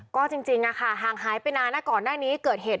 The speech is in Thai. ก็จริงห่างหายไปนานนะก่อนหน้านี้เกิดเหตุ